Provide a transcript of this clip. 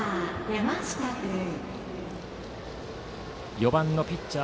４番のピッチャー